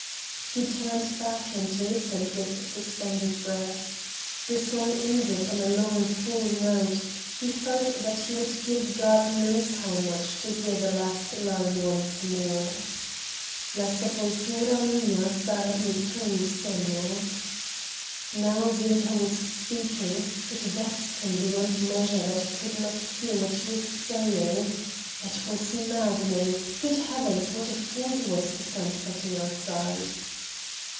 He turned back, and listened with suspended breath. The song ended on a long, full note; he felt that he would give God knows how much to hear the last line once more: 'La sepoltura mia sara il tuo seno!....' Now Zinka was speaking it vexed him beyond measure that he could not hear what she was saying. It was maddening ... Good heavens! what a fool he was to stand fretting outside!